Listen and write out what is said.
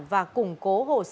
và củng cố hồ sơ